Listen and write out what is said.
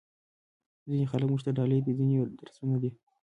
ځینې خلک موږ ته ډالۍ دي، ځینې درسونه دي.